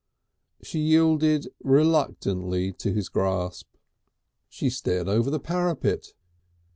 She yielded reluctantly to his grasp. She stared over the parapet.